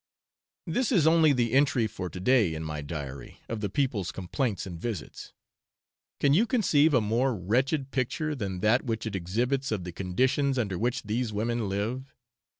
This is only the entry for to day, in my diary, of the people's complaints and visits. Can you conceive a more wretched picture than that which it exhibits of the conditions under which these women live?